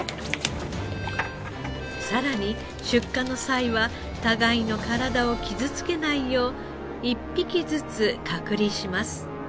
さらに出荷の際は互いの体を傷つけないよう１匹ずつ隔離します。